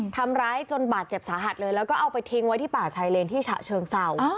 ทำร้ายจนบาดเจ็บสาหัสเลยแล้วก็เอาไปทิ้งไว้ที่ป่าชายเลนที่ฉะเชิงเศร้า